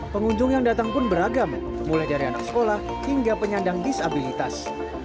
pengunjung yang datang pun beragam mulai dari anak sekolah hingga penyandang disabilitas